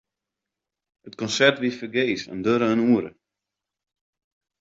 It konsert wie fergees en duorre in oere.